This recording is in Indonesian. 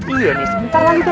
iya nih sebentar lagi